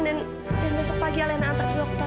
dan besok pagi alena antar ke dokter